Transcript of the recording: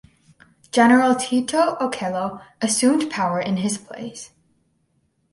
General Tito Okello assumed power in his place.